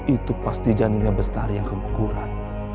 itu pasti janinnya bestari yang kebukuran